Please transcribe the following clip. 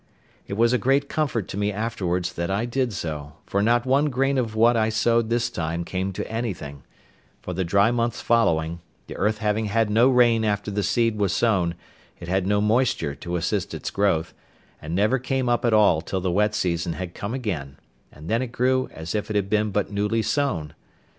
It was a great comfort to me afterwards that I did so, for not one grain of what I sowed this time came to anything: for the dry months following, the earth having had no rain after the seed was sown, it had no moisture to assist its growth, and never came up at all till the wet season had come again, and then it grew as if it had been but newly sown.